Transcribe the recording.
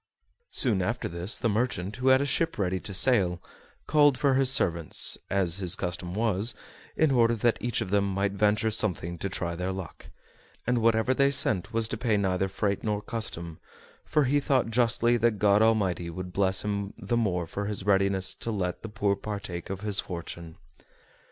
Soon after this the merchant, who had a ship ready to sail, called for his servants, as his custom was, in order that each of them might venture something to try their luck; and whatever they sent was to pay neither freight nor custom, for he thought justly that God Almighty would bless him the more for his readiness to let the poor partake of his fortune.